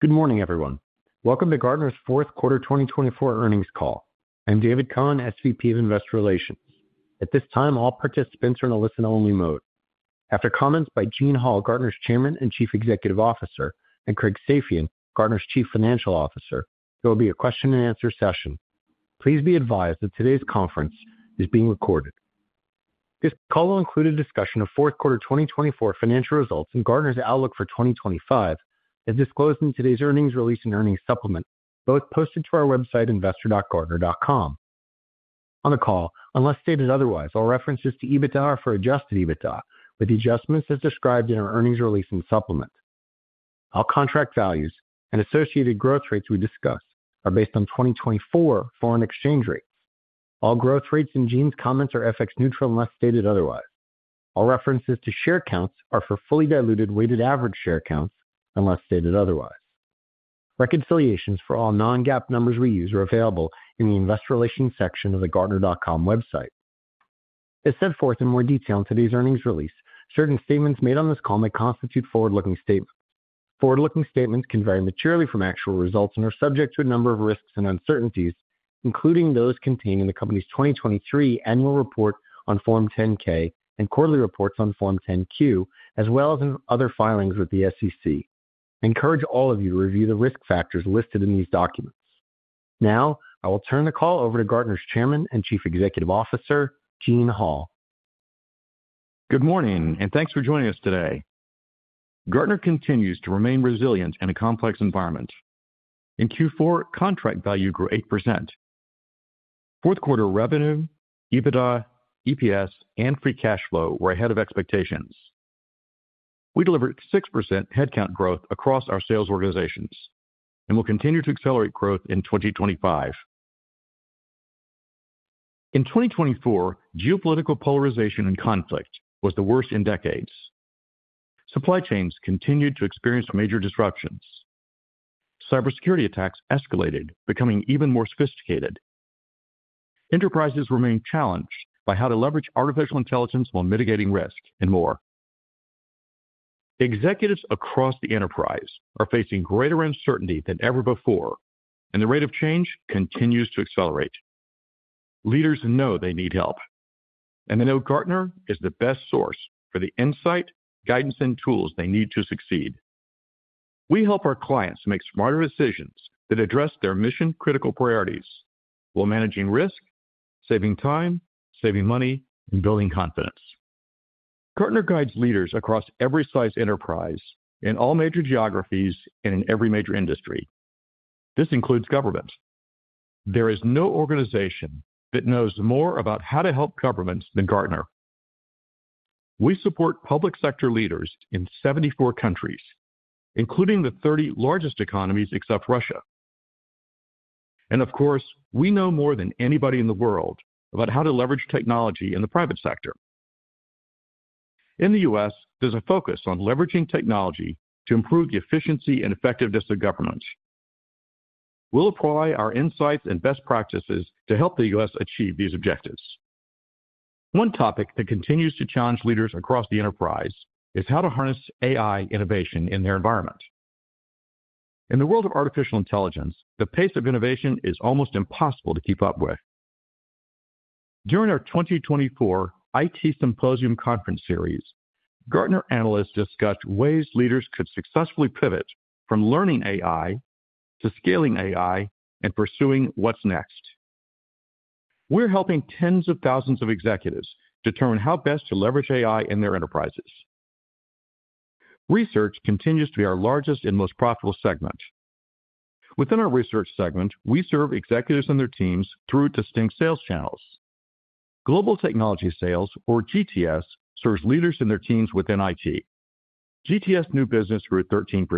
Good morning, everyone. Welcome to Gartner's Fourth Quarter 2024 earnings call. I'm David Cohen, SVP of Investor Relations. At this time, all participants are in a listen-only mode. After comments by Gene Hall, Gartner's Chairman and Chief Executive Officer, and Craig Safian, Gartner's Chief Financial Officer, there will be a question-and-answer session. Please be advised that today's conference is being recorded. This call will include a discussion of Fourth Quarter 2024 financial results and Gartner's outlook for 2025, as disclosed in today's earnings release and earnings supplement, both posted to our website, investor.gartner.com. On the call, unless stated otherwise, all references to EBITDA are for adjusted EBITDA, with the adjustments as described in our earnings release and supplement. All contract values and associated growth rates we discuss are based on 2024 foreign exchange rates. All growth rates and Gene's comments are FX neutral, unless stated otherwise. All references to share counts are for fully diluted weighted average share counts, unless stated otherwise. Reconciliations for all non-GAAP numbers we use are available in the Investor Relations section of the Gartner.com website. As set forth in more detail in today's earnings release, certain statements made on this call may constitute forward-looking statements. Forward-looking statements can vary materially from actual results and are subject to a number of risks and uncertainties, including those contained in the company's 2023 annual report on Form 10-K and quarterly reports on Form 10-Q, as well as in other filings with the SEC. I encourage all of you to review the risk factors listed in these documents. Now, I will turn the call over to Gartner's Chairman and Chief Executive Officer, Gene Hall. Good morning, and thanks for joining us today. Gartner continues to remain resilient in a complex environment. In Q4, contract values grew 8%. Fourth quarter revenue, EBITDA, EPS, and free cash flow were ahead of expectations. We delivered 6% headcount growth across our sales organizations and will continue to accelerate growth in 2025. In 2024, geopolitical polarization and conflict was the worst in decades. Supply chains continued to experience major disruptions. Cybersecurity attacks escalated, becoming even more sophisticated. Enterprises remain challenged by how to leverage artificial intelligence while mitigating risk, and more. Executives across the enterprise are facing greater uncertainty than ever before, and the rate of change continues to accelerate. Leaders know they need help, and they know Gartner is the best source for the insight, guidance, and tools they need to succeed. We help our clients make smarter decisions that address their mission-critical priorities while managing risk, saving time, saving money, and building confidence. Gartner guides leaders across every size enterprise, in all major geographies, and in every major industry. This includes government. There is no organization that knows more about how to help governments than Gartner. We support public sector leaders in 74 countries, including the 30 largest economies except Russia, and of course, we know more than anybody in the world about how to leverage technology in the private sector. In the U.S., there's a focus on leveraging technology to improve the efficiency and effectiveness of government. We'll apply our insights and best practices to help the U.S. achieve these objectives. One topic that continues to challenge leaders across the enterprise is how to harness AI innovation in their environment. In the world of artificial intelligence, the pace of innovation is almost impossible to keep up with. During our 2024 IT Symposium Conference series, Gartner analysts discussed ways leaders could successfully pivot from learning AI to scaling AI and pursuing what's next. We're helping tens of thousands of executives determine how best to leverage AI in their enterprises. Research continues to be our largest and most profitable segment. Within our research segment, we serve executives and their teams through distinct sales channels. Global Technology Sales, or GTS, serves leaders and their teams within IT. GTS new business grew 13%,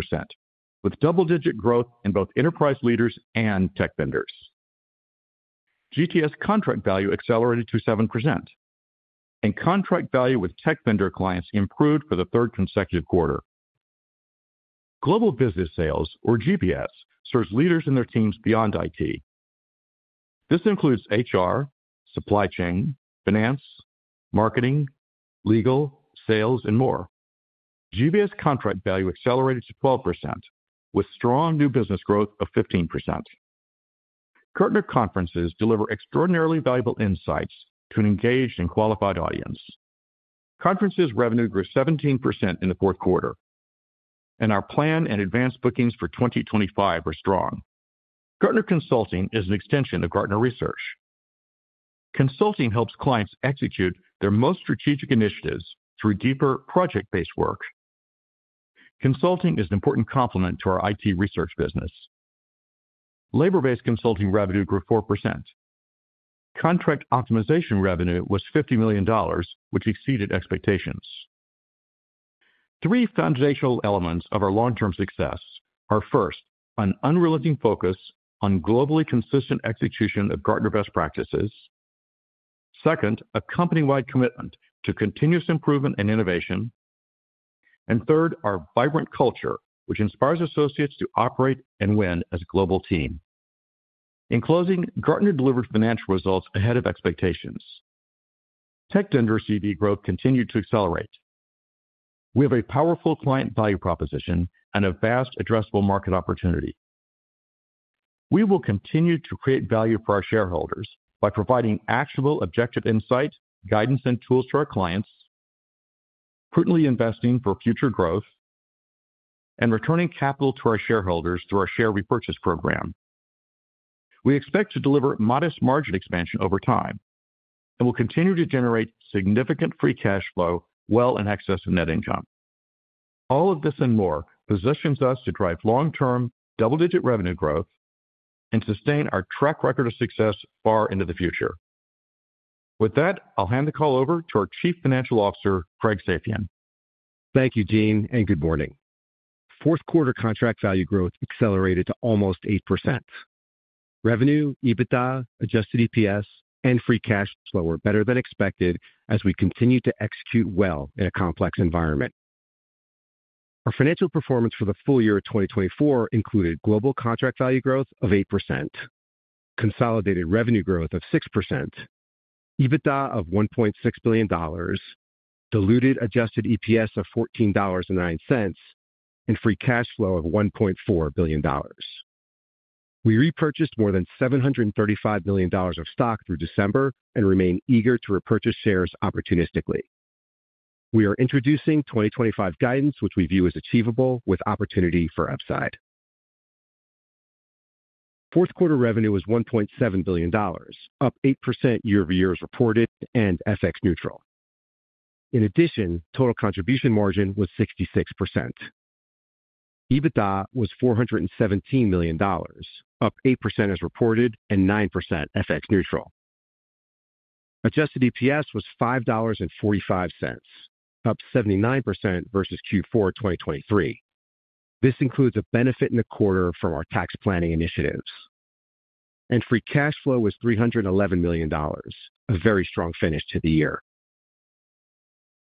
with double-digit growth in both enterprise leaders and tech vendors. GTS contract value accelerated to 7%, and contract value with tech vendor clients improved for the third consecutive quarter. Global Business Sales, or GBS, serves leaders and their teams beyond IT. This includes HR, supply chain, finance, marketing, legal, sales, and more. GBS contract value accelerated to 12%, with strong new business growth of 15%. Gartner Conferences deliver extraordinarily valuable insights to an engaged and qualified audience. Conferences revenue grew 17% in the fourth quarter, and our plan and advance bookings for 2025 are strong. Gartner Consulting is an extension of Gartner Research. Consulting helps clients execute their most strategic initiatives through deeper project-based work. Consulting is an important complement to our IT research business. Labor-based consulting revenue grew 4%. Contract Optimization revenue was $50 million, which exceeded expectations. Three foundational elements of our long-term success are: first, an unrelenting focus on globally consistent execution of Gartner best practices; second, a company-wide commitment to continuous improvement and innovation; and third, our vibrant culture, which inspires associates to operate and win as a global team. In closing, Gartner delivered financial results ahead of expectations. Tech vendors' CV growth continued to accelerate. We have a powerful client value proposition and a vast addressable market opportunity. We will continue to create value for our shareholders by providing actionable objective insight, guidance, and tools to our clients, prudently investing for future growth, and returning capital to our shareholders through our share repurchase program. We expect to deliver modest margin expansion over time and will continue to generate significant free cash flow well in excess of net income. All of this and more positions us to drive long-term double-digit revenue growth and sustain our track record of success far into the future. With that, I'll hand the call over to our Chief Financial Officer, Craig Safian. Thank you, Gene, and good morning. Fourth Quarter contract value growth accelerated to almost 8%. Revenue, EBITDA, adjusted EPS, and free cash flow were better than expected as we continued to execute well in a complex environment. Our financial performance for the full year of 2024 included global contract value growth of 8%, consolidated revenue growth of 6%, EBITDA of $1.6 billion, diluted adjusted EPS of $14.09, and free cash flow of $1.4 billion. We repurchased more than $735 million of stock through December and remain eager to repurchase shares opportunistically. We are introducing 2025 guidance, which we view as achievable with opportunity for upside. Fourth Quarter revenue was $1.7 billion, up 8% year-over-year as reported and FX neutral. In addition, total contribution margin was 66%. EBITDA was $417 million, up 8% as reported and 9% FX neutral. Adjusted EPS was $5.45, up 79% versus Q4 2023. This includes a benefit in the quarter from our tax planning initiatives. Free cash flow was $311 million, a very strong finish to the year.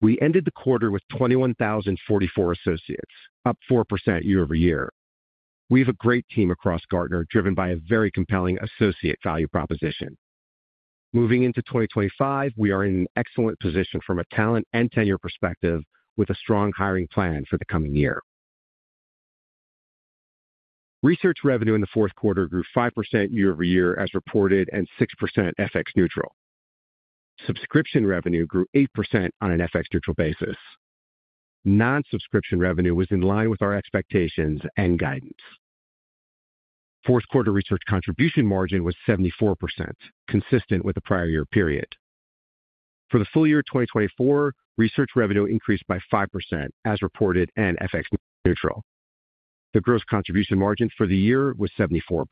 We ended the quarter with 21,044 associates, up 4% year-over-year. We have a great team across Gartner driven by a very compelling associate value proposition. Moving into 2025, we are in an excellent position from a talent and tenure perspective with a strong hiring plan for the coming year. Research revenue in the fourth quarter grew 5% year-over-year as reported and 6% FX neutral. Subscription revenue grew 8% on an FX neutral basis. Non-subscription revenue was in line with our expectations and guidance. Fourth quarter research contribution margin was 74%, consistent with the prior year period. For the full year 2024, research revenue increased by 5% as reported and FX neutral. The gross contribution margin for the year was 74%.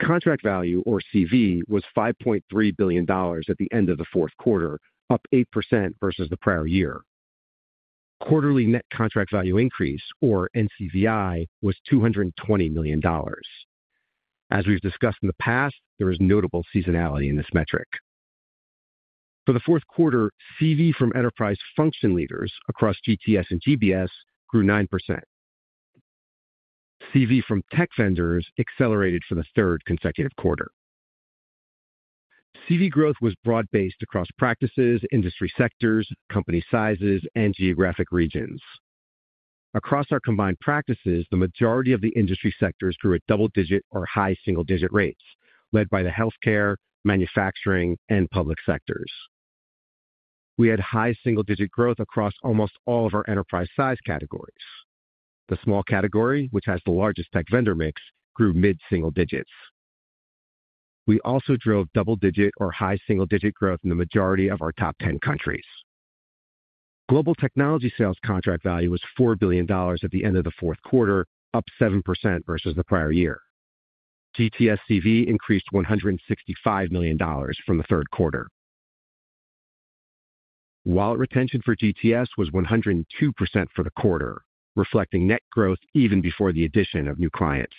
Contract value, or CV, was $5.3 billion at the end of the fourth quarter, up 8% versus the prior year. Quarterly net contract value increase, or NCVI, was $220 million. As we've discussed in the past, there is notable seasonality in this metric. For the fourth quarter, CV from enterprise function leaders across GTS and GBS grew 9%. CV from tech vendors accelerated for the third consecutive quarter. CV growth was broad-based across practices, industry sectors, company sizes, and geographic regions. Across our combined practices, the majority of the industry sectors grew at double-digit or high single-digit rates, led by the healthcare, manufacturing, and public sectors. We had high single-digit growth across almost all of our enterprise size categories. The small category, which has the largest tech vendor mix, grew mid-single digits. We also drove double-digit or high single-digit growth in the majority of our top 10 countries. Global Technology Sales contract value was $4 billion at the end of the fourth quarter, up 7% versus the prior year. GTS CV increased $165 million from the third quarter. Wallet retention for GTS was 102% for the quarter, reflecting net growth even before the addition of new clients.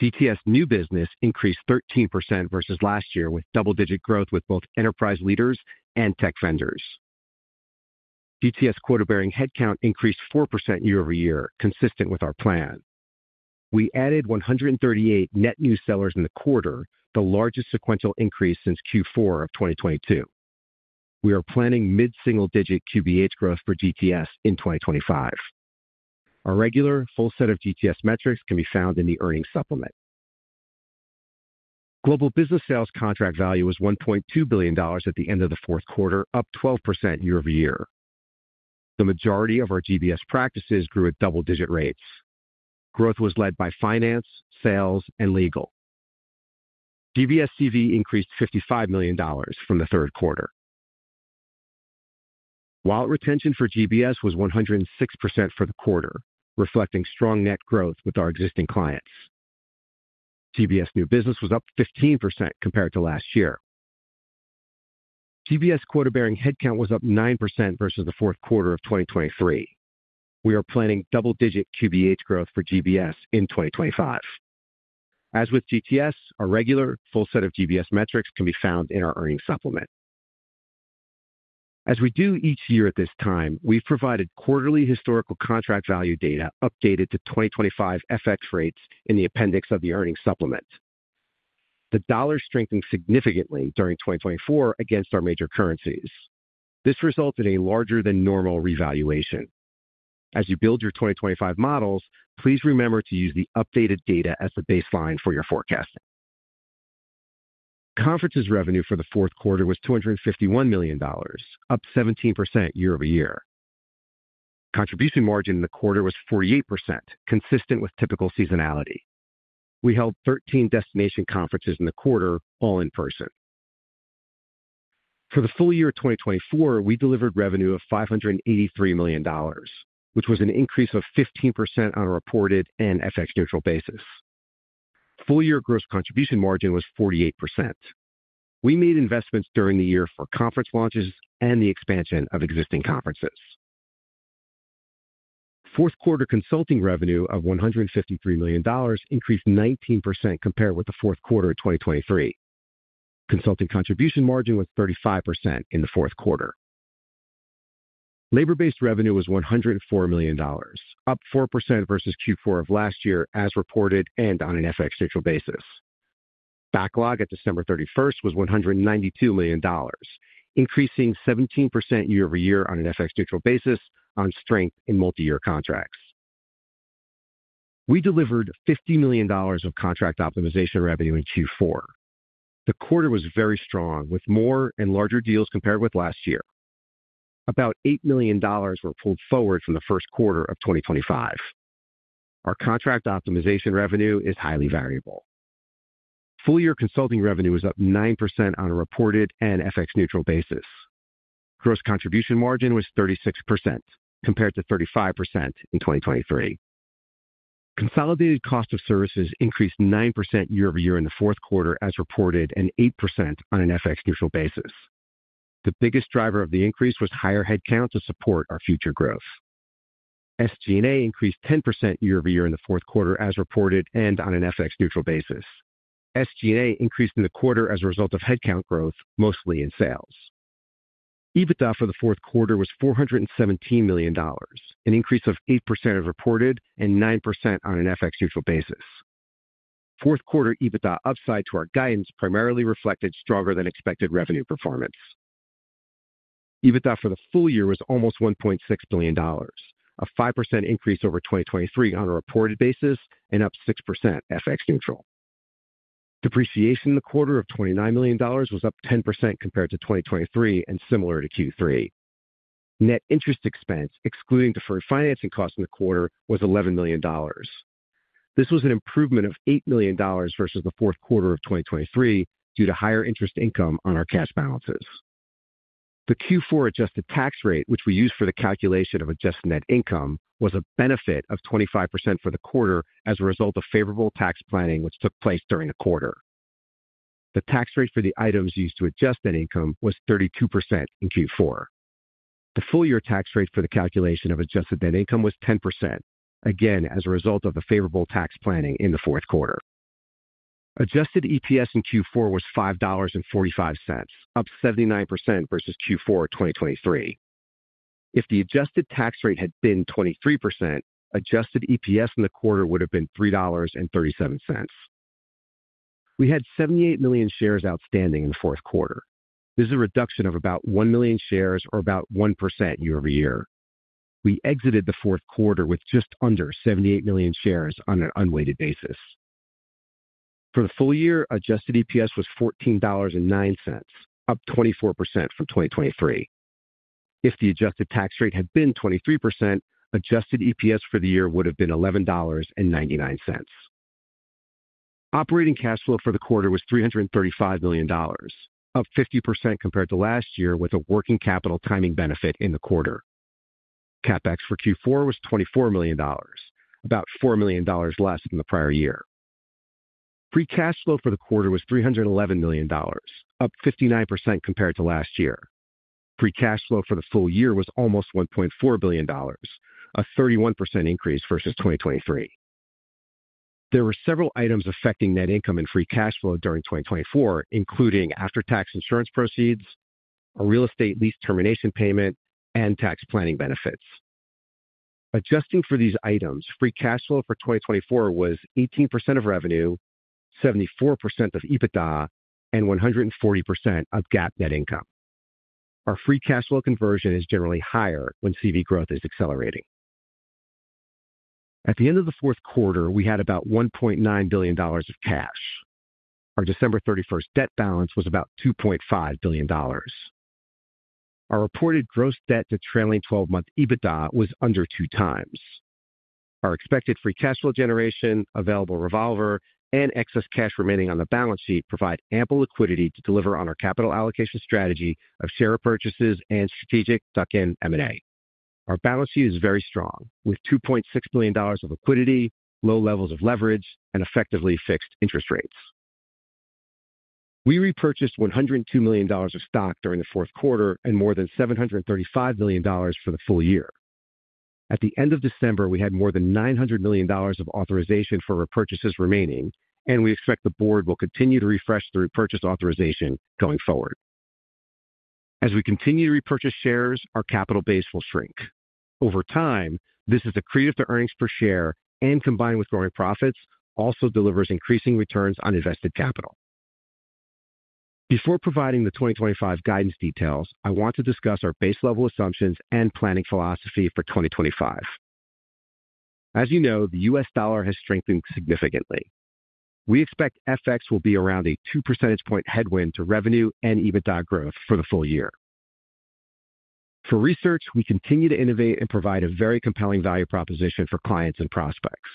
GTS new business increased 13% versus last year, with double-digit growth with both enterprise leaders and tech vendors. GTS quota-bearing headcount increased 4% year-over-year, consistent with our plan. We added 138 net new sellers in the quarter, the largest sequential increase since Q4 of 2022. We are planning mid-single digit QBH growth for GTS in 2025. Our regular full set of GTS metrics can be found in the earnings supplement. Global Business Sales contract value was $1.2 billion at the end of the fourth quarter, up 12% year-over-year. The majority of our GBS practices grew at double-digit rates. Growth was led by finance, sales, and legal. GBS CV increased $55 million from the third quarter. Wallet retention for GBS was 106% for the quarter, reflecting strong net growth with our existing clients. GBS new business was up 15% compared to last year. GBS quota-bearing headcount was up 9% versus the fourth quarter of 2023. We are planning double-digit QBH growth for GBS in 2025. As with GTS, our regular full set of GBS metrics can be found in our earnings supplement. As we do each year at this time, we've provided quarterly historical contract value data updated to 2025 FX rates in the appendix of the earnings supplement. The dollar strengthened significantly during 2024 against our major currencies. This resulted in a larger-than-normal revaluation. As you build your 2025 models, please remember to use the updated data as the baseline for your forecasting. Conferences revenue for the fourth quarter was $251 million, up 17% year-over-year. Contribution margin in the quarter was 48%, consistent with typical seasonality. We held 13 destination conferences in the quarter, all in person. For the full year of 2024, we delivered revenue of $583 million, which was an increase of 15% on a reported and FX neutral basis. Full year gross contribution margin was 48%. We made investments during the year for conference launches and the expansion of existing conferences. Fourth quarter consulting revenue of $153 million increased 19% compared with the fourth quarter of 2023. Consulting contribution margin was 35% in the fourth quarter. Labor-based revenue was $104 million, up 4% versus Q4 of last year as reported and on an FX neutral basis. Backlog at December 31st was $192 million, increasing 17% year-over-year on an FX neutral basis on strength in multi-year contracts. We delivered $50 million of contract optimization revenue in Q4. The quarter was very strong, with more and larger deals compared with last year. About $8 million were pulled forward from the first quarter of 2025. Our contract optimization revenue is highly variable. Full year consulting revenue was up 9% on a reported and FX neutral basis. Gross contribution margin was 36% compared to 35% in 2023. Consolidated cost of services increased 9% year-over-year in the fourth quarter as reported and 8% on an FX neutral basis. The biggest driver of the increase was higher headcount to support our future growth. SG&A increased 10% year-over-year in the fourth quarter as reported and on an FX neutral basis. SG&A increased in the quarter as a result of headcount growth, mostly in sales. EBITDA for the fourth quarter was $417 million, an increase of 8% as reported and 9% on an FX neutral basis. Fourth quarter EBITDA upside to our guidance primarily reflected stronger-than-expected revenue performance. EBITDA for the full year was almost $1.6 billion, a 5% increase over 2023 on a reported basis and up 6% FX neutral. Depreciation in the quarter of $29 million was up 10% compared to 2023 and similar to Q3. Net interest expense, excluding deferred financing costs in the quarter, was $11 million. This was an improvement of $8 million versus the fourth quarter of 2023 due to higher interest income on our cash balances. The Q4 adjusted tax rate, which we used for the calculation of adjusted net income, was a benefit of 25% for the quarter as a result of favorable tax planning, which took place during the quarter. The tax rate for the items used to adjust net income was 32% in Q4. The full year tax rate for the calculation of adjusted net income was 10%, again as a result of the favorable tax planning in the fourth quarter. Adjusted EPS in Q4 was $5.45, up 79% versus Q4 2023. If the adjusted tax rate had been 23%, adjusted EPS in the quarter would have been $3.37. We had 78 million shares outstanding in the fourth quarter. This is a reduction of about 1 million shares or about 1% year-over-year. We exited the fourth quarter with just under 78 million shares on an unweighted basis. For the full year, adjusted EPS was $14.09, up 24% from 2023. If the adjusted tax rate had been 23%, adjusted EPS for the year would have been $11.99. Operating cash flow for the quarter was $335 million, up 50% compared to last year with a working capital timing benefit in the quarter. CapEx for Q4 was $24 million, about $4 million less than the prior year. Free cash flow for the quarter was $311 million, up 59% compared to last year. Free cash flow for the full year was almost $1.4 billion, a 31% increase versus 2023. There were several items affecting net income and free cash flow during 2024, including after-tax insurance proceeds, a real estate lease termination payment, and tax planning benefits. Adjusting for these items, free cash flow for 2024 was 18% of revenue, 74% of EBITDA, and 140% of GAAP net income. Our free cash flow conversion is generally higher when CV growth is accelerating. At the end of the fourth quarter, we had about $1.9 billion of cash. Our December 31st debt balance was about $2.5 billion. Our reported gross debt to trailing 12-month EBITDA was under two times. Our expected free cash flow generation, available revolver, and excess cash remaining on the balance sheet provide ample liquidity to deliver on our capital allocation strategy of share purchases and strategic tuck-in M&A. Our balance sheet is very strong, with $2.6 billion of liquidity, low levels of leverage, and effectively fixed interest rates. We repurchased $102 million of stock during the fourth quarter and more than $735 million for the full year. At the end of December, we had more than $900 million of authorization for repurchases remaining, and we expect the board will continue to refresh the repurchase authorization going forward. As we continue to repurchase shares, our capital base will shrink. Over time, this is a contribution to earnings per share and, combined with growing profits, also delivers increasing returns on invested capital. Before providing the 2025 guidance details, I want to discuss our base level assumptions and planning philosophy for 2025. As you know, the U.S. dollar has strengthened significantly. We expect FX will be around a 2 percentage point headwind to revenue and EBITDA growth for the full year. For research, we continue to innovate and provide a very compelling value proposition for clients and prospects.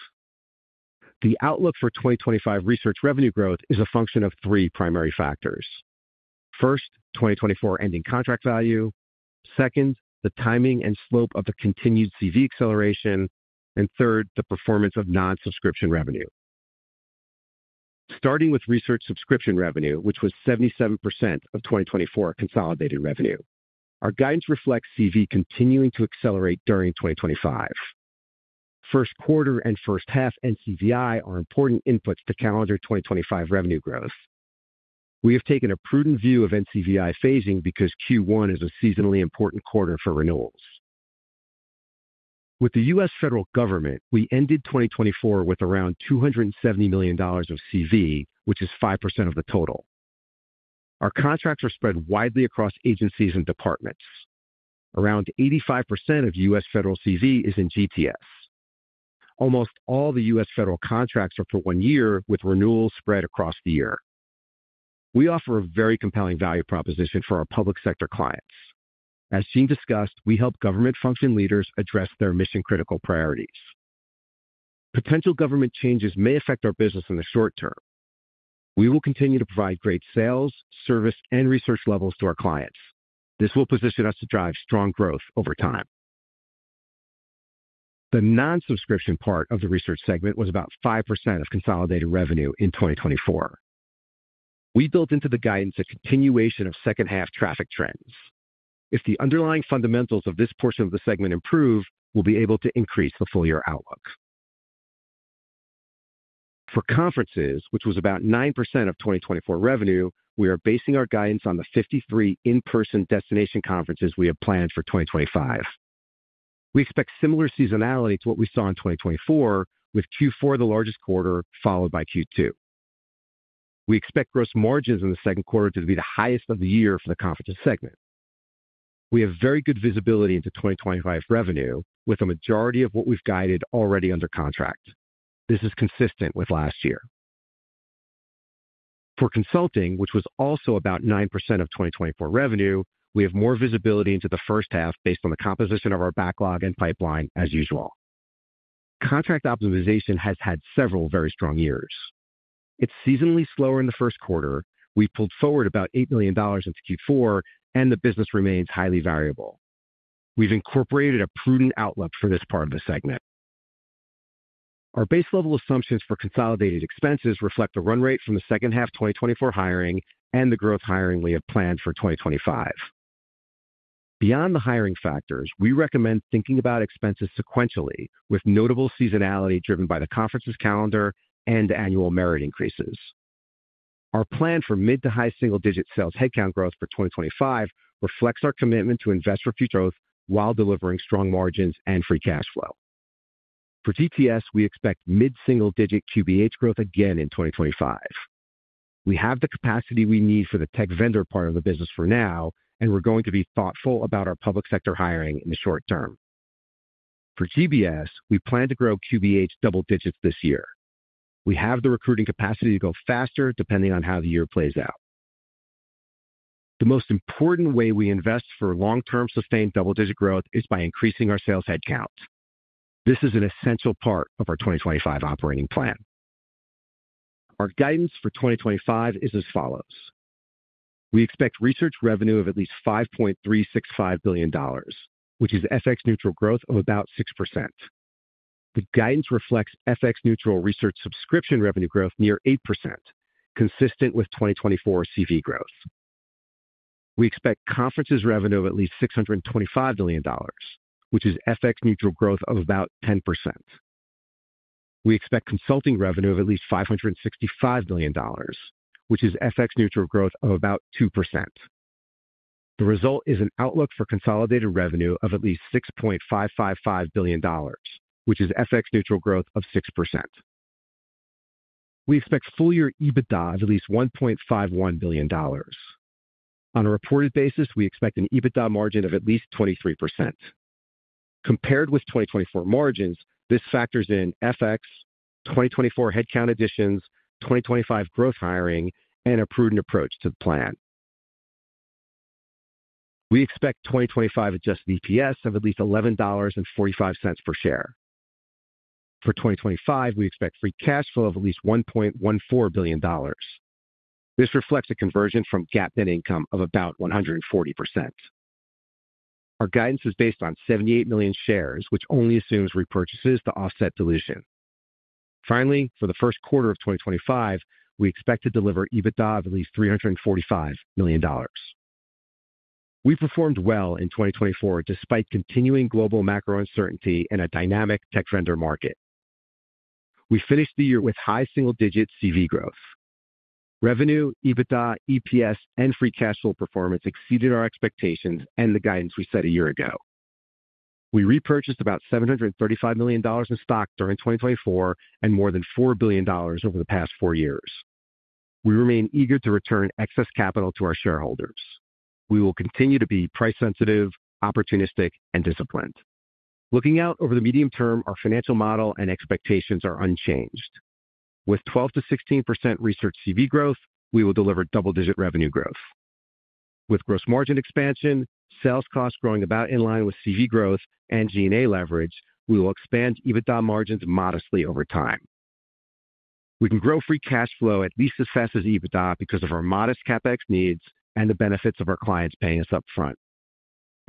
The outlook for 2025 research revenue growth is a function of three primary factors. First, the 2024 ending contract value. Second, the timing and slope of the continued CV acceleration. And third, the performance of non-subscription revenue. Starting with research subscription revenue, which was 77% of 2024 consolidated revenue. Our guidance reflects CV continuing to accelerate during 2025. First quarter and first half NCVI are important inputs to calendar 2025 revenue growth. We have taken a prudent view of NCVI phasing because Q1 is a seasonally important quarter for renewals. With the U.S. federal government, we ended 2024 with around $270 million of CV, which is 5% of the total. Our contracts are spread widely across agencies and departments. Around 85% of U.S. federal CV is in GTS. Almost all the U.S. federal contracts are for one year, with renewals spread across the year. We offer a very compelling value proposition for our public sector clients. As Gene discussed, we help government function leaders address their mission-critical priorities. Potential government changes may affect our business in the short term. We will continue to provide great sales, service, and research levels to our clients. This will position us to drive strong growth over time. The non-subscription part of the research segment was about 5% of consolidated revenue in 2024. We built into the guidance a continuation of second half traffic trends. If the underlying fundamentals of this portion of the segment improve, we'll be able to increase the full year outlook. For conferences, which was about 9% of 2024 revenue, we are basing our guidance on the 53 in-person destination conferences we have planned for 2025. We expect similar seasonality to what we saw in 2024, with Q4 the largest quarter, followed by Q2. We expect gross margins in the second quarter to be the highest of the year for the conference segment. We have very good visibility into 2025 revenue, with a majority of what we've guided already under contract. This is consistent with last year. For consulting, which was also about 9% of 2024 revenue, we have more visibility into the first half based on the composition of our backlog and pipeline, as usual. Contract optimization has had several very strong years. It's seasonally slower in the first quarter. We pulled forward about $8 million into Q4, and the business remains highly variable. We've incorporated a prudent outlook for this part of the segment. Our base level assumptions for consolidated expenses reflect the run rate from the second half 2024 hiring and the growth hiring we have planned for 2025. Beyond the hiring factors, we recommend thinking about expenses sequentially, with notable seasonality driven by the conferences calendar and annual merit increases. Our plan for mid to high single-digit sales headcount growth for 2025 reflects our commitment to invest for future growth while delivering strong margins and free cash flow. For GTS, we expect mid-single-digit QBH growth again in 2025. We have the capacity we need for the tech vendor part of the business for now, and we're going to be thoughtful about our public sector hiring in the short term. For GBS, we plan to grow QBH double digits this year. We have the recruiting capacity to go faster depending on how the year plays out. The most important way we invest for long-term sustained double-digit growth is by increasing our sales headcount. This is an essential part of our 2025 operating plan. Our guidance for 2025 is as follows. We expect research revenue of at least $5.365 billion, which is FX neutral growth of about 6%. The guidance reflects FX neutral research subscription revenue growth near 8%, consistent with 2024 CV growth. We expect conferences revenue of at least $625 million, which is FX neutral growth of about 10%. We expect consulting revenue of at least $565 million, which is FX neutral growth of about 2%. The result is an outlook for consolidated revenue of at least $6.555 billion, which is FX neutral growth of 6%. We expect full year EBITDA of at least $1.51 billion. On a reported basis, we expect an EBITDA margin of at least 23%. Compared with 2024 margins, this factors in FX, 2024 headcount additions, 2025 growth hiring, and a prudent approach to the plan. We expect 2025 Adjusted EPS of at least $11.45 per share. For 2025, we expect Free Cash Flow of at least $1.14 billion. This reflects a conversion from GAAP net income of about 140%. Our guidance is based on 78 million shares, which only assumes repurchases to offset dilution. Finally, for the first quarter of 2025, we expect to deliver EBITDA of at least $345 million. We performed well in 2024 despite continuing global macro uncertainty and a dynamic tech vendor market. We finished the year with high single-digit CV growth. Revenue, EBITDA, EPS, and free cash flow performance exceeded our expectations and the guidance we set a year ago. We repurchased about $735 million in stock during 2024 and more than $4 billion over the past four years. We remain eager to return excess capital to our shareholders. We will continue to be price sensitive, opportunistic, and disciplined. Looking out over the medium term, our financial model and expectations are unchanged. With 12% to 16% research CV growth, we will deliver double-digit revenue growth. With gross margin expansion, sales costs growing about in line with CV growth and G&A leverage, we will expand EBITDA margins modestly over time. We can grow free cash flow at least as fast as EBITDA because of our modest CapEx needs and the benefits of our clients paying us upfront,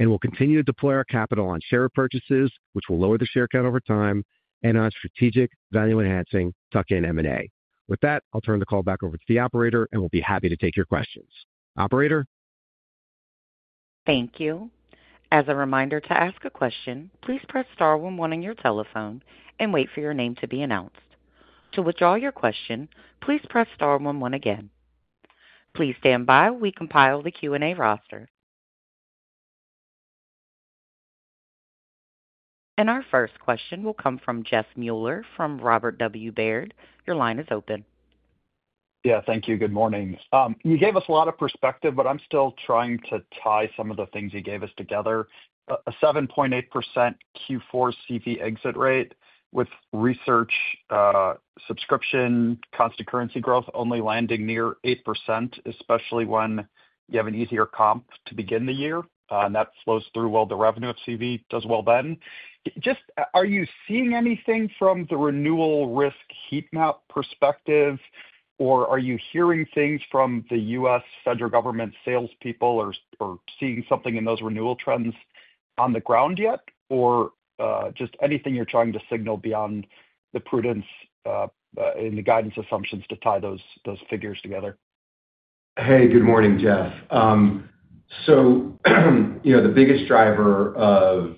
and we'll continue to deploy our capital on share purchases, which will lower the share count over time, and on strategic value enhancing tuck-in M&A. With that, I'll turn the call back over to the operator, and we'll be happy to take your questions. Operator. Thank you. As a reminder to ask a question, please press star one one on your telephone and wait for your name to be announced. To withdraw your question, please press star one one again. Please stand by while we compile the Q&A roster, and our first question will come from Jeff Mueller from Robert W. Baird. Your line is open. Yeah, thank you. Good morning. You gave us a lot of perspective, but I'm still trying to tie some of the things you gave us together. A 7.8% Q4 CV exit rate with research subscription, constant currency growth only landing near 8%, especially when you have an easier comp to begin the year, and that flows through well. The revenue of CV does well then. Just, are you seeing anything from the renewal risk heat map perspective, or are you hearing things from the U.S. federal government salespeople or seeing something in those renewal trends on the ground yet, or just anything you're trying to signal beyond the prudence in the guidance assumptions to tie those figures together? Hey, good morning, Jeff. So the biggest driver of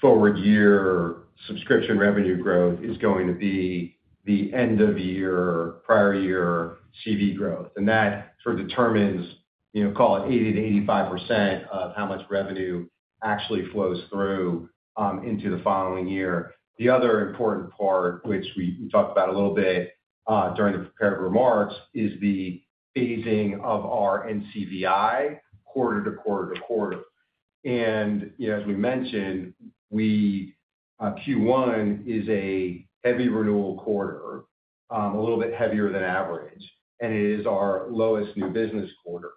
forward year subscription revenue growth is going to be the end-of-year, prior-year CV growth. That sort of determines, call it 80% to 85% of how much revenue actually flows through into the following year. The other important part, which we talked about a little bit during the prepared remarks, is the phasing of our NCVI quarter to quarter to quarter. As we mentioned, Q1 is a heavy renewal quarter, a little bit heavier than average, and it is our lowest new business quarter.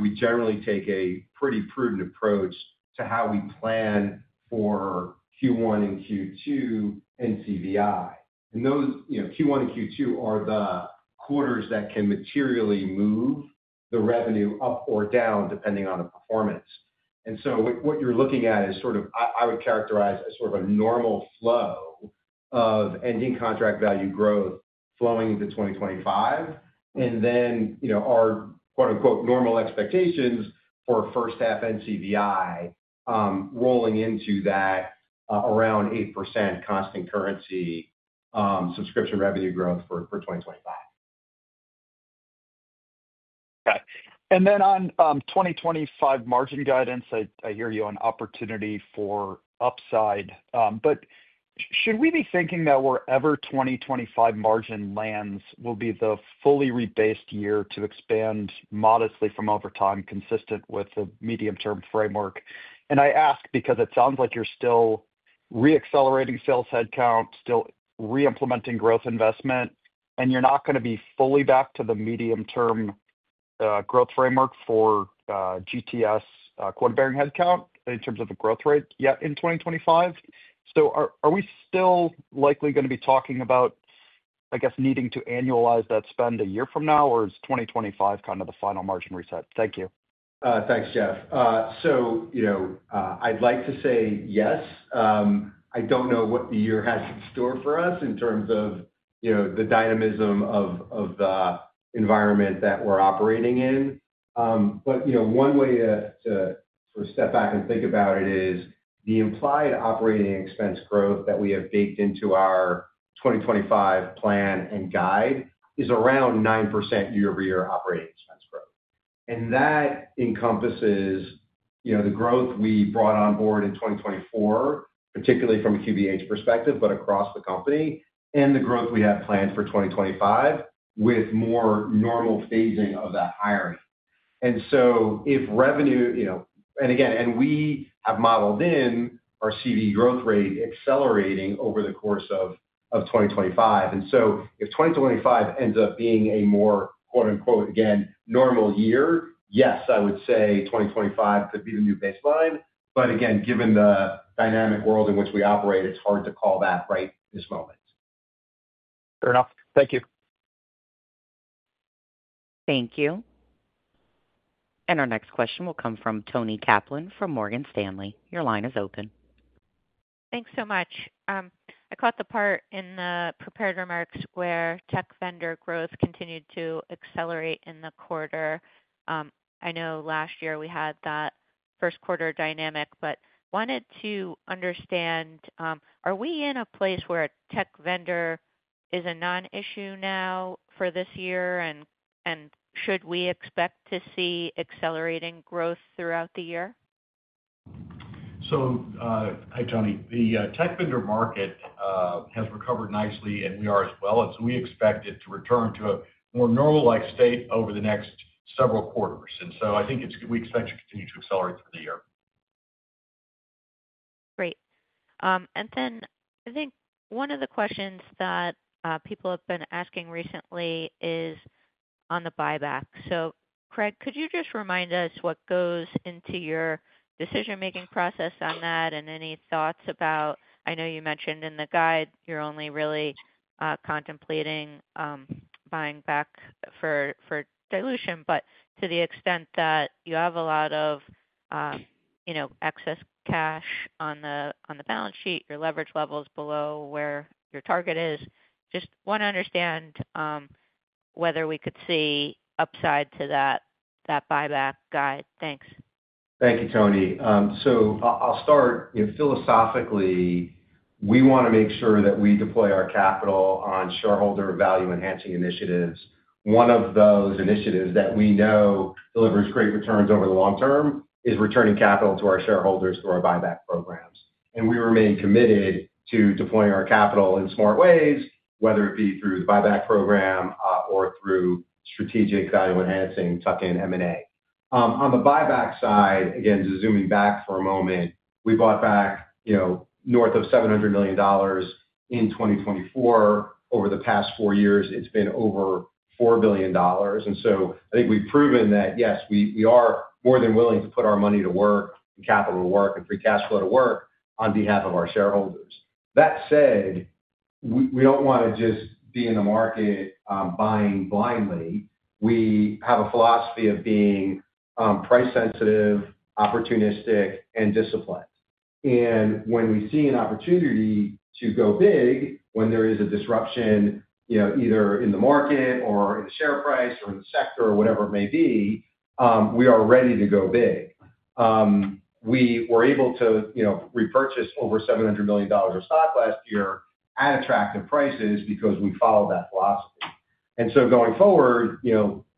We generally take a pretty prudent approach to how we plan for Q1 and Q2 NCVI. Q1 and Q2 are the quarters that can materially move the revenue up or down depending on the performance. What you're looking at is sort of, I would characterize as sort of a normal flow of ending contract value growth flowing into 2025. And then our "normal expectations" for first half NCVI rolling into that around 8% constant currency subscription revenue growth for 2025. Okay. And then on 2025 margin guidance, I hear you on opportunity for upside. But should we be thinking that wherever 2025 margin lands will be the fully rebased year to expand modestly from over time, consistent with the medium-term framework? And I ask because it sounds like you're still reaccelerating sales headcount, still reimplementing growth investment, and you're not going to be fully back to the medium-term growth framework for GTS quota-bearing headcount in terms of the growth rate yet in 2025. So are we still likely going to be talking about, I guess, needing to annualize that spend a year from now, or is 2025 kind of the final margin reset? Thank you. Thanks, Jeff. So I'd like to say yes. I don't know what the year has in store for us in terms of the dynamism of the environment that we're operating in. But one way to sort of step back and think about it is the implied operating expense growth that we have baked into our 2025 plan and guide is around 9% year-over-year operating expense growth. And that encompasses the growth we brought on board in 2024, particularly from a QBH perspective, but across the company, and the growth we have planned for 2025 with more normal phasing of that hiring. And so if revenue and again, and we have modeled in our CV growth rate accelerating over the course of 2025. And so if 2025 ends up being a more "normal year," yes, I would say 2025 could be the new baseline. But again, given the dynamic world in which we operate, it's hard to call that right this moment. Fair enough. Thank you. Thank you. And our next question will come from Toni Kaplan from Morgan Stanley. Your line is open. Thanks so much. I caught the part in the prepared remarks where tech vendor growth continued to accelerate in the quarter. I know last year we had that first quarter dynamic, but wanted to understand, are we in a place where tech vendor is a non-issue now for this year, and should we expect to see accelerating growth throughout the year? So hi, Tony. The tech vendor market has recovered nicely, and we are as well. And so we expect it to return to a more normal-like state over the next several quarters. And so I think we expect to continue to accelerate through the year. Great. And then I think one of the questions that people have been asking recently is on the buyback. So, Craig, could you just remind us what goes into your decision-making process on that and any thoughts about. I know you mentioned in the guide you're only really contemplating buying back for dilution, but to the extent that you have a lot of excess cash on the balance sheet, your leverage level is below where your target is. Just want to understand whether we could see upside to that buyback guide. Thanks. Thank you, Tony. So I'll start philosophically. We want to make sure that we deploy our capital on shareholder value-enhancing initiatives. One of those initiatives that we know delivers great returns over the long term is returning capital to our shareholders through our buyback programs. We remain committed to deploying our capital in smart ways, whether it be through the buyback program or through strategic value-enhancing tuck-in M&A. On the buyback side, again, zooming back for a moment, we bought back north of $700 million in 2024. Over the past four years, it's been over $4 billion. And so I think we've proven that, yes, we are more than willing to put our money to work and capital to work and free cash flow to work on behalf of our shareholders. That said, we don't want to just be in the market buying blindly. We have a philosophy of being price sensitive, opportunistic, and disciplined. And when we see an opportunity to go big, when there is a disruption either in the market or in the share price or in the sector or whatever it may be, we are ready to go big. We were able to repurchase over $700 million of stock last year at attractive prices because we followed that philosophy. And so going forward,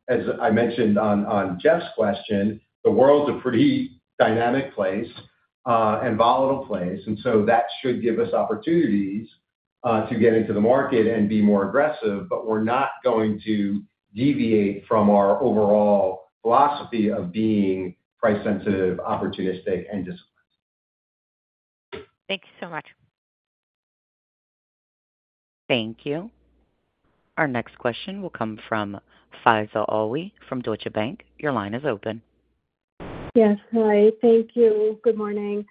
as I mentioned on Jeff's question, the world's a pretty dynamic place and volatile place. And so that should give us opportunities to get into the market and be more aggressive, but we're not going to deviate from our overall philosophy of being price sensitive, opportunistic, and disciplined. Thank you so much. Thank you. Our next question will come from Faiza Alvi from Deutsche Bank. Your line is open. Yes. Hi. Thank you. Good morning.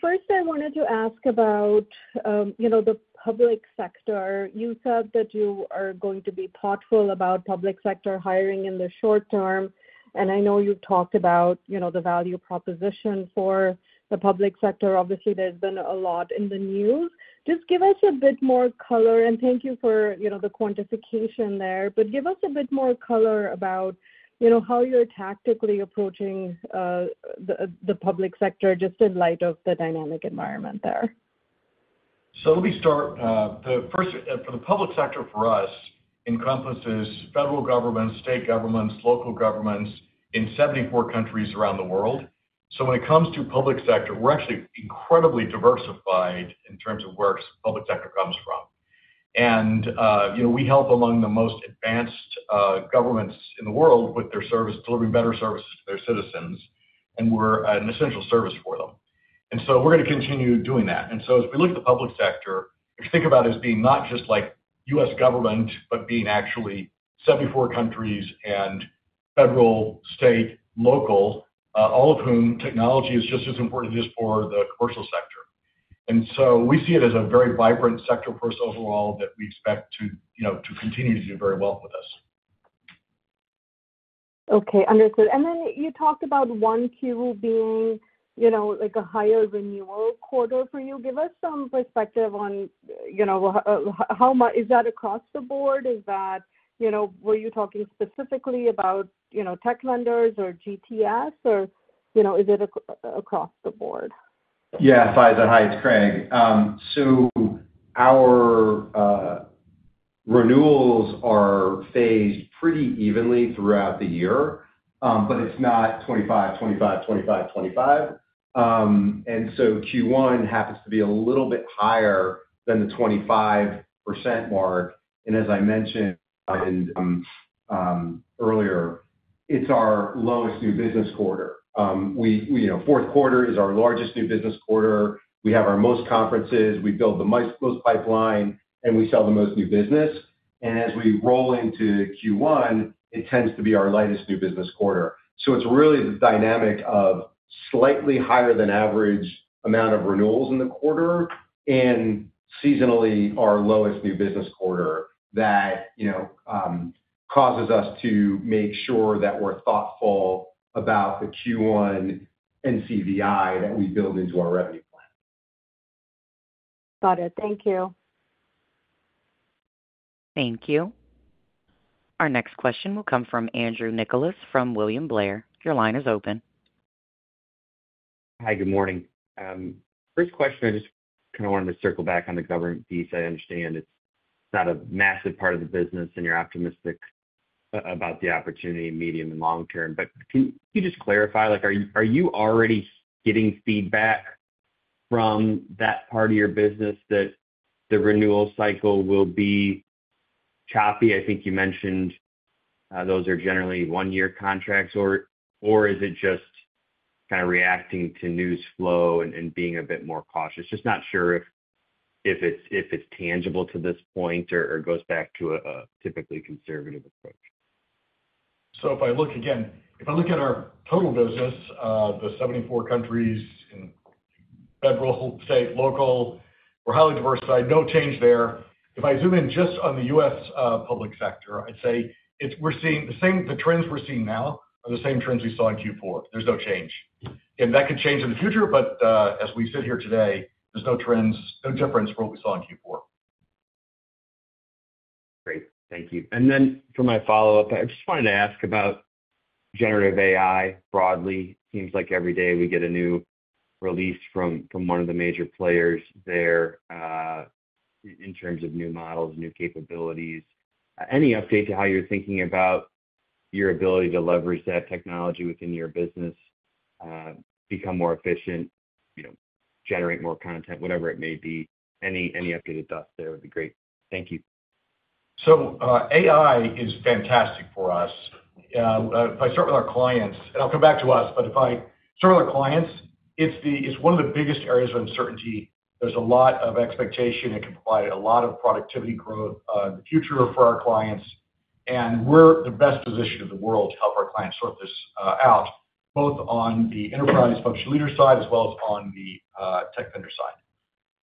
First, I wanted to ask about the public sector. You said that you are going to be thoughtful about public sector hiring in the short term. And I know you've talked about the value proposition for the public sector. Obviously, there's been a lot in the news. Just give us a bit more color. And thank you for the quantification there. But give us a bit more color about how you're tactically approaching the public sector just in light of the dynamic environment there. So let me start. For the public sector for us encompasses federal governments, state governments, local governments in 74 countries around the world. So when it comes to public sector, we're actually incredibly diversified in terms of where public sector comes from. And we help among the most advanced governments in the world with their service, delivering better services to their citizens. And we're an essential service for them. And so we're going to continue doing that. As we look at the public sector, if you think about it as being not just like U.S. government, but being actually 74 countries and federal, state, local, all of whom technology is just as important as for the commercial sector. We see it as a very vibrant sector for us overall that we expect to continue to do very well with us. Okay. Understood. Then you talked about one Q being like a higher renewal quarter for you. Give us some perspective on how much is that across the board? Were you talking specifically about tech vendors or GTS, or is it across the board? Yeah. Faiza Alvi, Craig. Our renewals are phased pretty evenly throughout the year, but it's not 25, 25, 25, 25. Q1 happens to be a little bit higher than the 25% mark. As I mentioned earlier, it's our lowest new business quarter. Fourth quarter is our largest new business quarter. We have our most conferences. We build the most pipeline, and we sell the most new business. As we roll into Q1, it tends to be our lightest new business quarter. So it's really the dynamic of slightly higher than average amount of renewals in the quarter and seasonally our lowest new business quarter that causes us to make sure that we're thoughtful about the Q1 NCVI that we build into our revenue plan. Got it. Thank you. Thank you. Our next question will come from Andrew Nicholas from William Blair. Your line is open. Hi. Good morning. First question, I just kind of wanted to circle back on the government piece. I understand it's not a massive part of the business, and you're optimistic about the opportunity medium and long term. But can you just clarify? Are you already getting feedback from that part of your business that the renewal cycle will be choppy? I think you mentioned those are generally one-year contracts. Or is it just kind of reacting to news flow and being a bit more cautious? Just not sure if it's tangible to this point or goes back to a typically conservative approach. So if I look again, if I look at our total business, the 74 countries and federal, state, local, we're highly diversified. No change there. If I zoom in just on the U.S. public sector, I'd say we're seeing the trends we're seeing now are the same trends we saw in Q4. There's no change. And that could change in the future, but as we sit here today, there's no trends, no difference for what we saw in Q4. Great. Thank you. And then for my follow-up, I just wanted to ask about generative AI broadly. Seems like every day we get a new release from one of the major players there in terms of new models, new capabilities. Any update to how you're thinking about your ability to leverage that technology within your business, become more efficient, gen erate more content, whatever it may be? Any update with us there would be great. Thank you. So AI is fantastic for us. If I start with our clients, and I'll come back to us, but if I start with our clients, it's one of the biggest areas of uncertainty. There's a lot of expectation. It can provide a lot of productivity growth in the future for our clients, and we're the best position in the world to help our clients sort this out, both on the enterprise functional leader side as well as on the tech vendor side.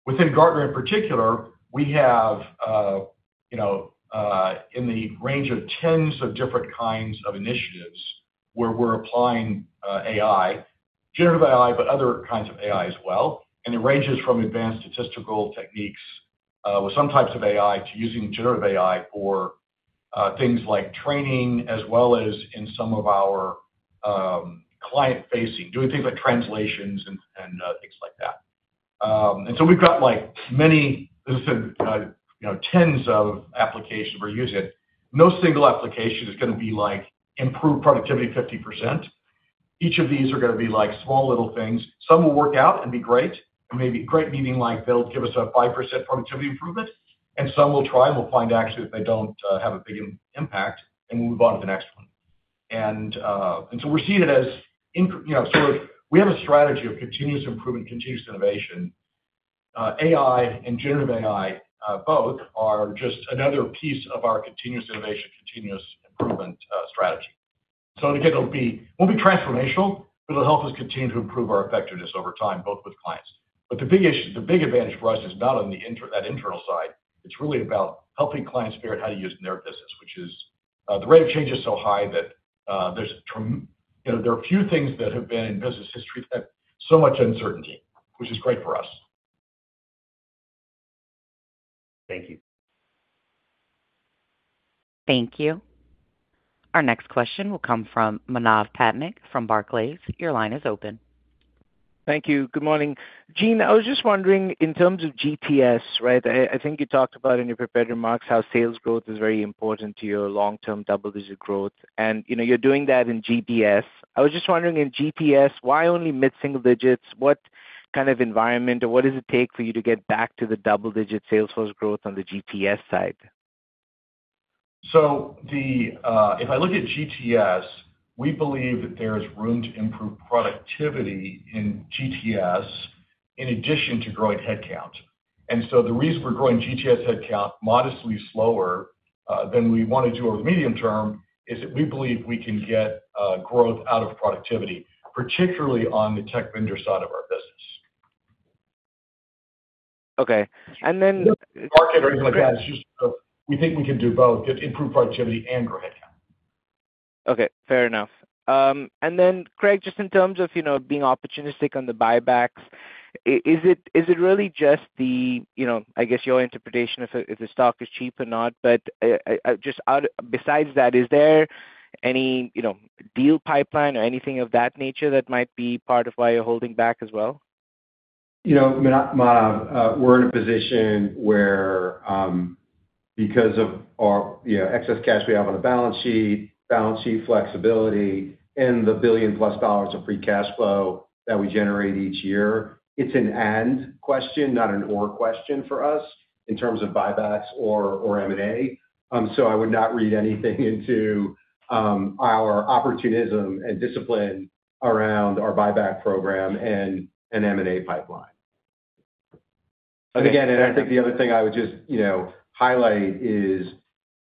Within Gartner in particular, we have in the range of tens of different kinds of initiatives where we're applying AI, generative AI, but other kinds of AI as well, and it ranges from advanced statistical techniques with some types of AI to using generative AI for things like training as well as in some of our client-facing, doing things like translations and things like that, and so we've got many, as I said, tens of applications we're using. No single application is going to be like, "Improve productivity 50%." Each of these are going to be like small little things. Some will work out and be great. And maybe great meaning like they'll give us a 5% productivity improvement. And some we'll try and we'll find actually that they don't have a big impact and we'll move on to the next one. And so we're seeing it as sort of we have a strategy of continuous improvement, continuous innovation. AI and generative AI both are just another piece of our continuous innovation, continuous improvement strategy. So again, it'll be transformational, but it'll help us continue to improve our effectiveness over time, both with clients. But the big advantage for us is not on that internal side. It's really about helping clients figure out how to use their business, which is the rate of change is so high that there are a few things that have been in business history that have so much uncertainty, which is great for us. Thank you. Thank you. Our next question will come from Manav Patnaik from Barclays. Your line is open. Thank you. Good morning. Gene, I was just wondering in terms of GTS, right? I think you talked about in your prepared remarks how sales growth is very important to your long-term double-digit growth. And you're doing that in GBS. I was just wondering in GBS, why only mid-single digits? What kind of environment or what does it take for you to get back to the double-digit sales force growth on the GBS side? So if I look at GTS, we believe that there is room to improve productivity in GTS in addition to growing headcount. And so the reason we're growing GTS headcount modestly slower than we want to do over the medium term is that we believe we can get growth out of productivity, particularly on the tech vendor side of our business. Okay. And then market or anything like that is just we think we can do both, improve productivity and grow headcount. Okay. Fair enough. And then, Craig, just in terms of being opportunistic on the buybacks, is it really just the, I guess, your interpretation if the stock is cheap or not? But just besides that, is there any deal pipeline or anything of that nature that might be part of why you're holding back as well? Manav, we're in a position where because of our excess cash we have on the balance sheet, balance sheet flexibility, and the $1+ billion of free cash flow that we generate each year, it's an and question, not an or question for us in terms of buybacks or M&A. So I would not read anything into our opportunism and discipline around our buyback program and M&A pipeline. And again, I think the other thing I would just highlight is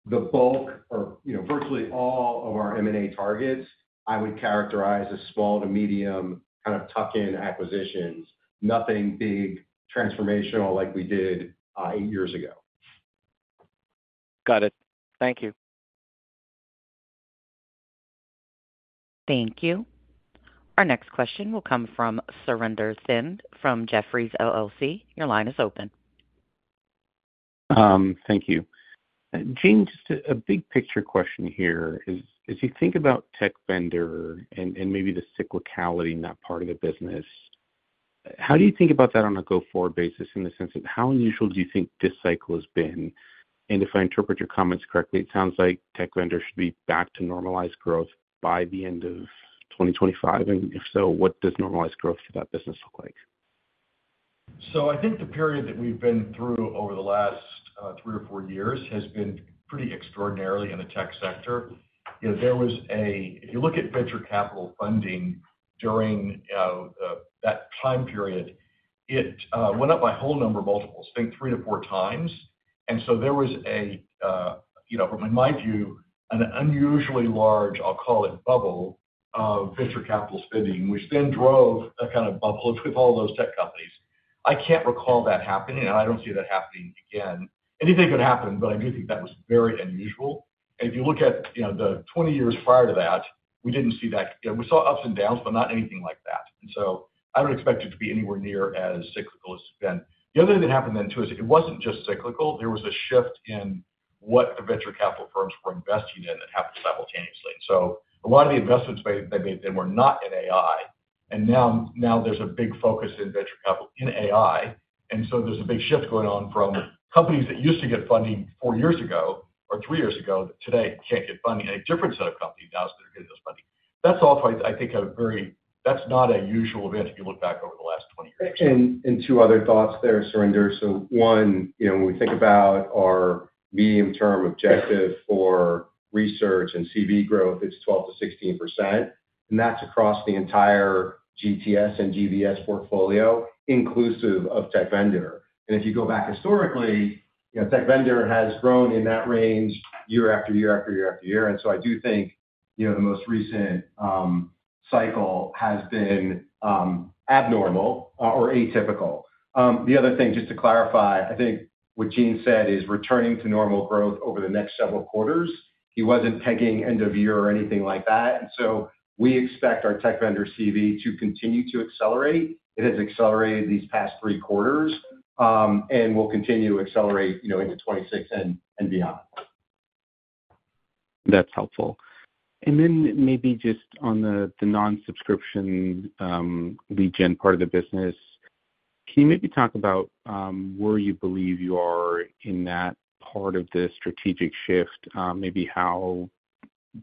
the bulk or virtually all of our M&A targets. I would characterize as small to medium kind of tuck-in acquisitions, nothing big transformational like we did eight years ago. Got it. Thank you. Thank you. Our next question will come from Surinder Thind from Jefferies LLC. Your line is open. Thank you. Gene, just a big picture question here. As you think about tech vendor and maybe the cyclicality in that part of the business, how do you think about that on a go-forward basis in the sense of how unusual do you think this cycle has been? And if I interpret your comments correctly, it sounds like tech vendors should be back to normalized growth by the end of 2025. And if so, what does normalized growth for that business look like? So I think the period that we've been through over the last three or four years has been pretty extraordinary in the tech sector. There was a, if you look at venture capital funding during that time period, it went up by whole number multiples, I think three to four times. And so there was a, from my view, an unusually large, I'll call it bubble of venture capital spending, which then drove a kind of bubble with all those tech companies. I can't recall that happening, and I don't see that happening again. Anything could happen, but I do think that was very unusual. And if you look at the 20 years prior to that, we didn't see that. We saw ups and downs, but not anything like that. And so I don't expect it to be anywhere near as cyclical as it's been. The other thing that happened then too is it wasn't just cyclical. There was a shift in what the venture capital firms were investing in that happened simultaneously. And so a lot of the investments they made then were not in AI. And now there's a big focus in venture capital in AI. And so there's a big shift going on from companies that used to get funding four years ago or three years ago that today can't get funding. A different set of companies now that are getting this funding. That's all, I think, a very, that's not a usual event if you look back over the last 20 years. And two other thoughts there, Surinder. So one, when we think about our medium-term objective for research and CV growth, it's 12% to 16%. And that's across the entire GTS and GBS portfolio, inclusive of tech vendor. And if you go back historically, tech vendor has grown in that range year after year after year after year. And so I do think the most recent cycle has been abnormal or atypical. The other thing, just to clarify, I think what Gene said is returning to normal growth over the next several quarters. He wasn't pegging end of year or anything like that, and so we expect our tech vendor CV to continue to accelerate. It has accelerated these past three quarters and will continue to accelerate into 2026 and beyond. That's helpful, and then maybe just on the non-subscription revenue part of the business, can you maybe talk about where you believe you are in that part of the strategic shift, maybe how